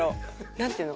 何ていうの？